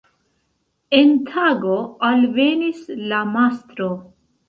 En tago, alvenis la mastro.